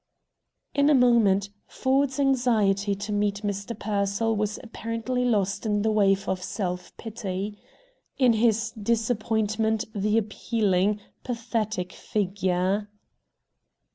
In a moment, Ford's anxiety to meet Mr. Pearsall was apparently lost in a wave of self pity. In his disappointment he appealing, pathetic figure.